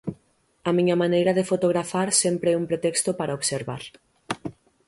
A miña maneira de fotografar sempre é un pretexto para observar.